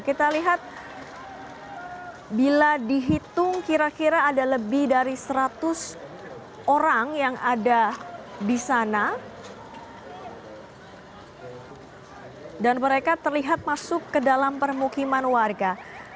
kita lihat bila dihitung kira kira ada lebih dari seratus orang yang ada di sana dan mereka terlihat masuk ke dalam permukiman warga